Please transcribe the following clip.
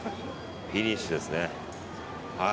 フィニッシュですね。